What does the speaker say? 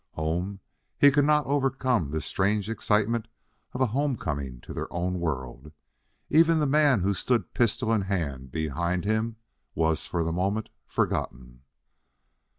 "Home!" He could not overcome this strange excitement of a homecoming to their own world. Even the man who stood, pistol in hand, behind him was, for the moment, forgotten.